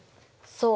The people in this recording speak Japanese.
そう。